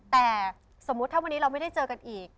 แต่สมมุติถ้าวันนี้เราไม่ได้เจอกันอีก